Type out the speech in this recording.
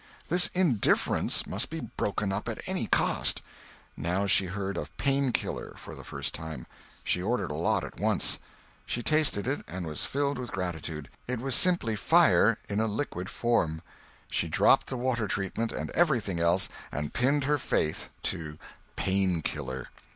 This indifference must be broken up at any cost. Now she heard of Pain killer for the first time. She ordered a lot at once. She tasted it and was filled with gratitude. It was simply fire in a liquid form. She dropped the water treatment and everything else, and pinned her faith to Pain killer.